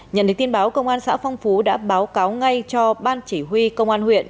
nhận được tin báo công an xã phong phú đã báo cáo ngay cho ban chỉ huy công an huyện